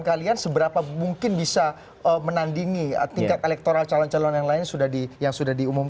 kalian seberapa mungkin bisa menandingi tingkat elektoral calon calon yang lain yang sudah diumumkan